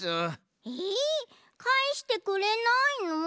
えかえしてくれないの？